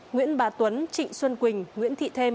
nguyễn bà tuấn trịnh xuân quỳnh nguyễn thị thêm